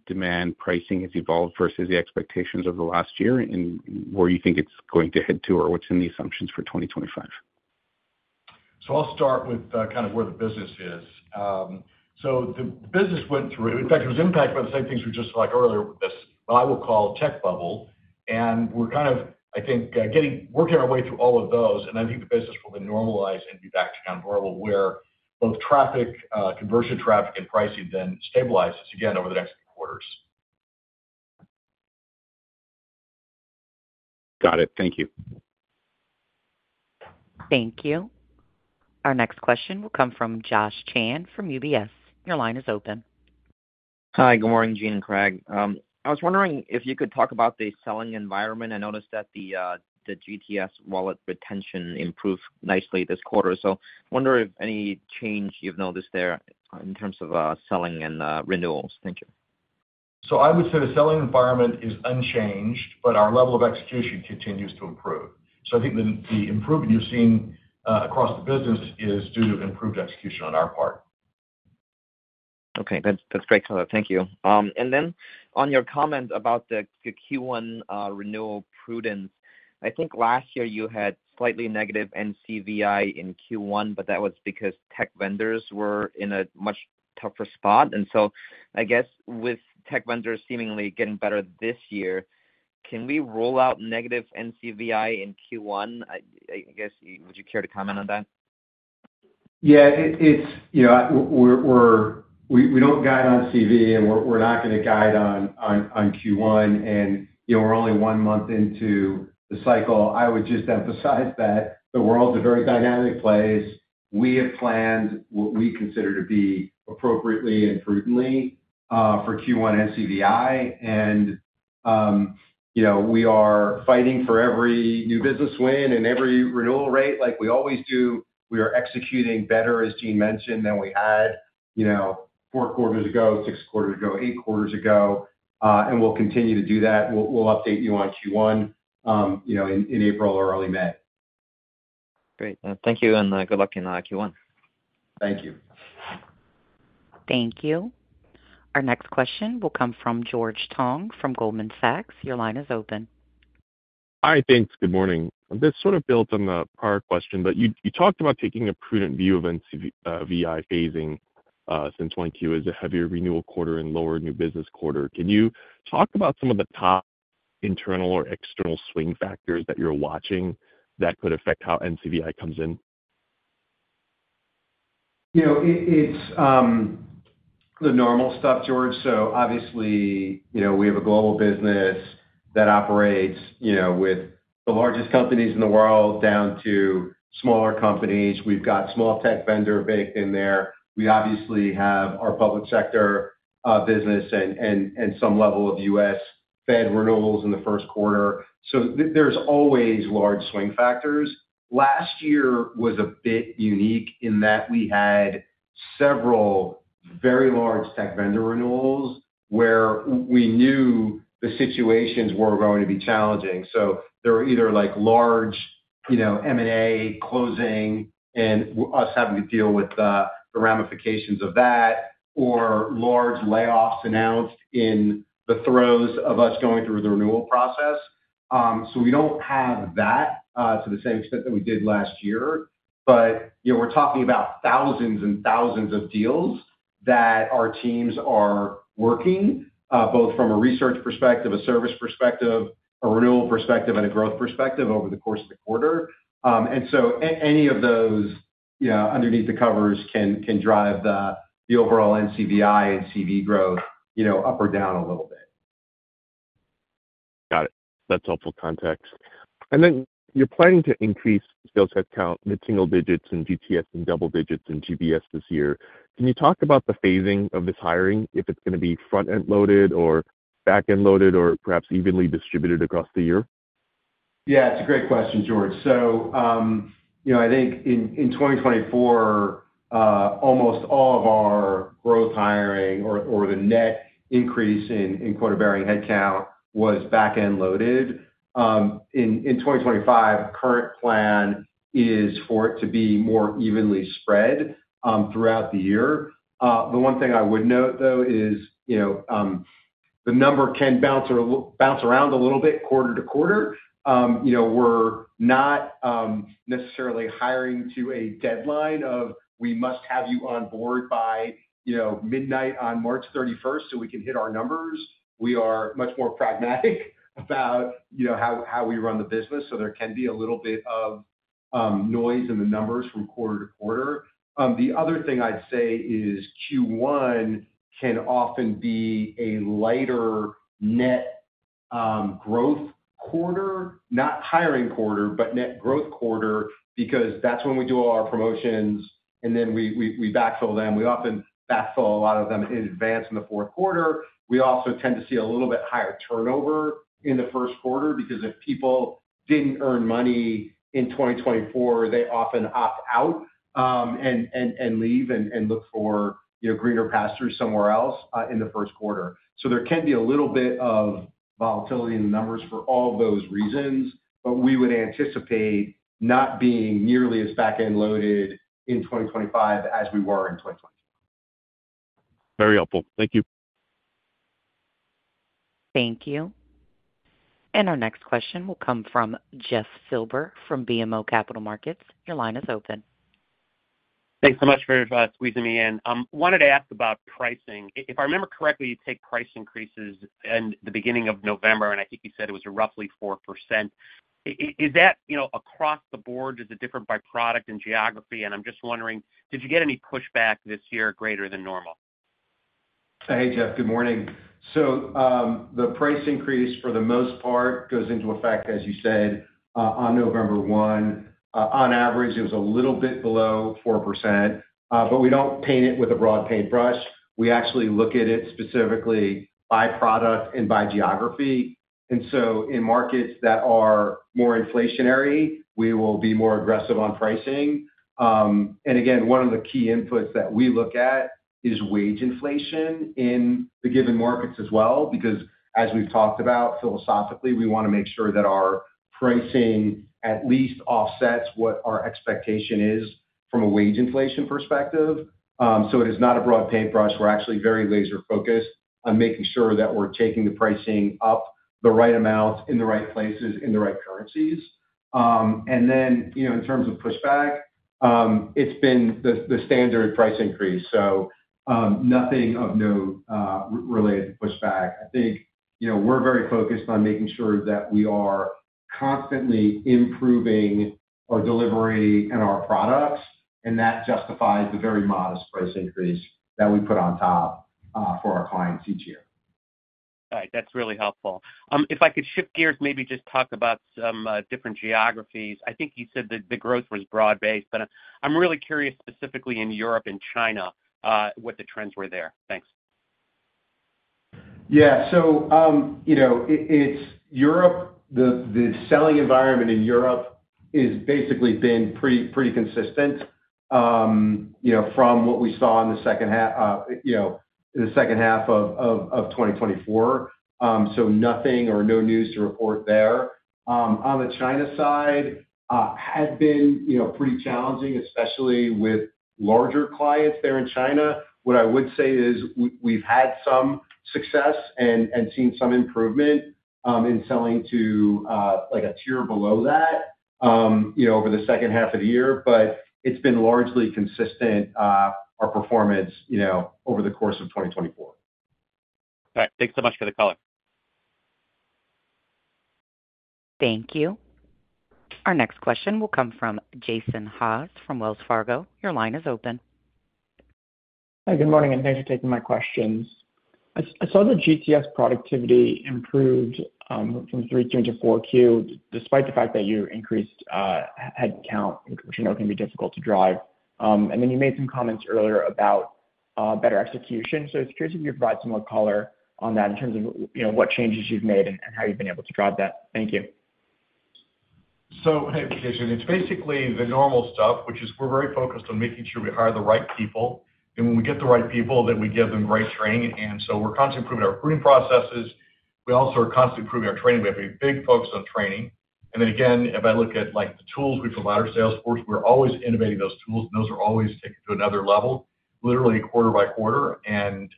demand pricing has evolved versus the expectations over the last year and where you think it's going to head to or what's in the assumptions for 2025, so I'll start with kind of where the business is. So the business went through, in fact, it was impacted by the same things we just talked about earlier with this, what I will call tech bubble. And we're kind of, I think, working our way through all of those. And I think the business will then normalize and be back to kind of normal where both traffic, conversion traffic, and pricing then stabilizes again over the next few quarters. Got it. Thank you. Thank you. Our next question will come from Josh Chan from UBS. Your line is open. Hi. Good morning, Gene and Craig. I was wondering if you could talk about the selling environment. I noticed that the GTS wallet retention improved nicely this quarter. So I wonder if any change you've noticed there in terms of selling and renewals. Thank you. So I would say the selling environment is unchanged, but our level of execution continues to improve. So I think the improvement you're seeing across the business is due to improved execution on our part. Okay. That's great to know. Thank you. And then on your comment about the Q1 renewal prudence, I think last year you had slightly negative NCVI in Q1, but that was because tech vendors were in a much tougher spot. And so I guess with tech vendors seemingly getting better this year, can we rule out negative NCVI in Q1? I guess, would you care to comment on that? Yeah. We don't guide on CV, and we're not going to guide on Q1. And we're only one month into the cycle. I would just emphasize that the world is a very dynamic place. We have planned what we consider to be appropriately and prudently for Q1 NCVI. And we are fighting for every new business win and every renewal rate. Like we always do, we are executing better, as Gene mentioned, than we had four quarters ago, six quarters ago, eight quarters ago. And we'll continue to do that. We'll update you on Q1 in April or early May. Great. Thank you. And good luck in Q1. Thank you. Thank you. Our next question will come from George Tong from Goldman Sachs. Your line is open. Hi. Thanks. Good morning. This sort of builds on our question, but you talked about taking a prudent view of NCVI phasing since Q1 is a heavier renewal quarter and lower new business quarter. Can you talk about some of the top internal or external swing factors that you're watching that could affect how NCVI comes in? It's the normal stuff, George. So obviously, we have a global business that operates with the largest companies in the world down to smaller companies. We've got small tech vendor baked in there. We obviously have our public sector business and some level of U.S. Fed renewals in the first quarter. So there's always large swing factors. Last year was a bit unique in that we had several very large tech vendor renewals where we knew the situations were going to be challenging. So there were either large M&A closing and us having to deal with the ramifications of that, or large layoffs announced in the throes of us going through the renewal process. So we don't have that to the same extent that we did last year. But we're talking about thousands and thousands of deals that our teams are working, both from a research perspective, a service perspective, a renewal perspective, and a growth perspective over the course of the quarter. And so any of those underneath the covers can drive the overall NCVI and CV growth up or down a little bit. Got it. That's helpful context. And then you're planning to increase sales headcount mid-single digits and GTS and double digits in GBS this year. Can you talk about the phasing of this hiring, if it's going to be front-end loaded or back-end loaded or perhaps evenly distributed across the year? Yeah. It's a great question, George. So I think in 2024, almost all of our growth hiring or the net increase in quota-bearing headcount was back-end loaded. In 2025, the current plan is for it to be more evenly spread throughout the year. The one thing I would note, though, is the number can bounce around a little bit quarter to quarter. We're not necessarily hiring to a deadline of, "We must have you on board by midnight on March 31st so we can hit our numbers." We are much more pragmatic about how we run the business. So there can be a little bit of noise in the numbers from quarter to quarter. The other thing I'd say is Q1 can often be a lighter net growth quarter, not hiring quarter, but net growth quarter, because that's when we do all our promotions, and then we backfill them. We often backfill a lot of them in advance in the fourth quarter. We also tend to see a little bit higher turnover in the first quarter because if people didn't earn money in 2024, they often opt out and leave and look for greener pastures somewhere else in the first quarter. So there can be a little bit of volatility in the numbers for all those reasons, but we would anticipate not being nearly as back-end loaded in 2025 as we were in 2024. Very helpful. Thank you. Thank you. And our next question will come from Jeff Silber from BMO Capital Markets. Your line is open. Thanks so much for squeezing me in. I wanted to ask about pricing. If I remember correctly, you take price increases in the beginning of November, and I think you said it was roughly 4%. Is that across the board? Is it different by product and geography? I'm just wondering, did you get any pushback this year greater than normal? Hey, Jeff. Good morning, so the price increase, for the most part, goes into effect, as you said, on November 1. On average, it was a little bit below 4%, but we don't paint it with a broad paintbrush. We actually look at it specifically by product and by geography, and so in markets that are more inflationary, we will be more aggressive on pricing, and again, one of the key inputs that we look at is wage inflation in the given markets as well, because as we've talked about, philosophically, we want to make sure that our pricing at least offsets what our expectation is from a wage inflation perspective, so it is not a broad paintbrush. We're actually very laser-focused on making sure that we're taking the pricing up the right amount in the right places in the right currencies, and then in terms of pushback, it's been the standard price increase, so nothing of note related to pushback. I think we're very focused on making sure that we are constantly improving our delivery and our products, and that justifies the very modest price increase that we put on top for our clients each year. All right. That's really helpful. If I could shift gears, maybe just talk about some different geographies. I think you said that the growth was broad-based, but I'm really curious specifically in Europe and China what the trends were there. Thanks. Yeah, so it's Europe. The selling environment in Europe has basically been pretty consistent from what we saw in the second half of 2024. So nothing or no news to report there. On the China side, it had been pretty challenging, especially with larger clients there in China. What I would say is we've had some success and seen some improvement in selling to a tier below that over the second half of the year, but it's been largely consistent, our performance over the course of 2024. All right. Thanks so much for the call. Thank you. Our next question will come from Jason Haas from Wells Fargo. Your line is open. Hi. Good morning, and thanks for taking my questions. I saw the GTS productivity improved from Q3 to Q4 into, despite the fact that you increased headcount, which I know can be difficult to drive. And then you made some comments earlier about better execution. So I was curious if you could provide some more color on that in terms of what changes you've made and how you've been able to drive that. Thank you. So hey, Jason, it's basically the normal stuff, which is we're very focused on making sure we hire the right people. And when we get the right people, then we give them great training. And so we're constantly improving our pricing processes. We also are constantly improving our training. We have a big focus on training. And then again, if I look at the tools we provide our sales force, we're always innovating those tools, and those are always taken to another level, literally quarter by quarter. And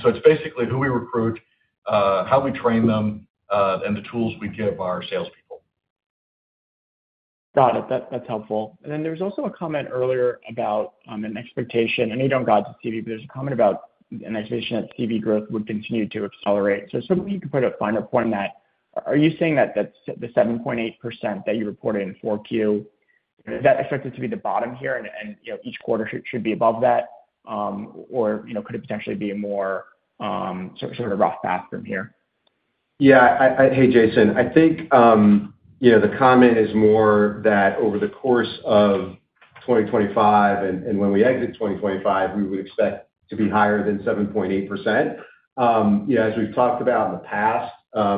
so it's basically who we recruit, how we train them, and the tools we give our salespeople. Got it. That's helpful. And then there was also a comment earlier about an expectation. You don't guide the CV, but there's a comment about an expectation that CV growth would continue to accelerate. So certainly, you could put a finer point on that. Are you saying that the 7.8% that you reported in Q4 is expected to be the bottom here, and each quarter should be above that? Or could it potentially be a more sort of a rough bottom here? Yeah. Hey, Jason, I think the comment is more that over the course of 2025 and when we exit 2025, we would expect to be higher than 7.8%. As we've talked about in the past, the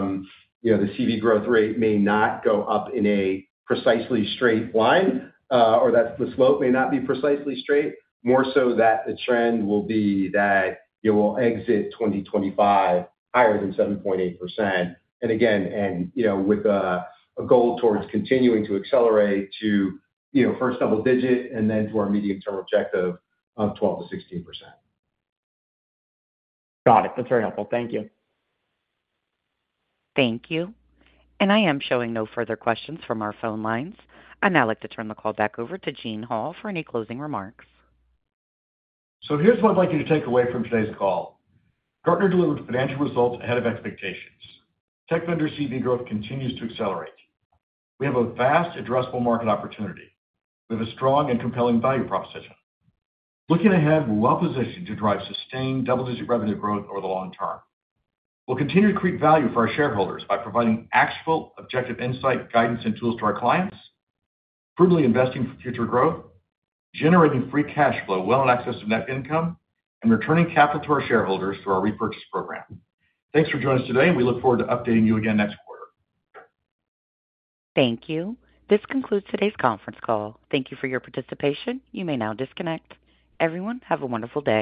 CV growth rate may not go up in a precisely straight line, or that the slope may not be precisely straight. More so that the trend will be that we'll exit 2025 higher than 7.8%. Again, with a goal towards continuing to accelerate to first double digit and then to our medium-term objective of 12% to 16%. Got it. That's very helpful. Thank you. Thank you. I am showing no further questions from our phone lines. I'd now like to turn the call back over to Gene Hall for any closing remarks. Here's what I'd like you to take away from today's call. Gartner delivered financial results ahead of expectations. Tech vendor CV growth continues to accelerate. We have a vast, addressable market opportunity. We have a strong and compelling value proposition. Looking ahead, we're well-positioned to drive sustained double-digit revenue growth over the long term. We'll continue to create value for our shareholders by providing actual objective insight, guidance, and tools to our clients, prudently investing for future growth, generating free cash flow well in excess of net income, and returning capital to our shareholders through our repurchase program. Thanks for joining us today, and we look forward to updating you again next quarter. Thank you. This concludes today's conference call. Thank you for your participation. You may now disconnect. Everyone, have a wonderful day.